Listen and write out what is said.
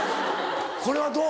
これはどう？